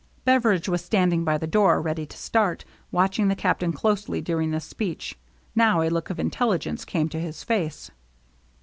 Beveridge was standing by the door, ready to start, watching the Captain closely during this speech. Now a look of intelligence came to his face.